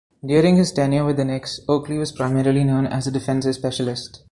During his tenure with the Knicks, Oakley was primarily known as a defensive specialist.